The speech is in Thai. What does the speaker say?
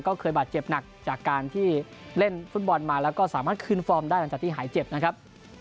ก็เคยบาดเจ็บหนักจากการที่เล่นฟุตบอลมาแล้วก็สามารถคืนฟอร์มได้หลังจากที่หายเจ็บนะครับ